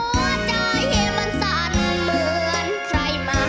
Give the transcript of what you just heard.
หัวใจมันสั่นเหมือนใครมา